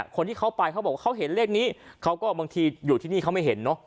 คนที่เขาไปเขาบอกว่าเขาเห็นเลขนี้เขาก็บางทีอยู่ที่นี่เขาไม่เห็นเนอะ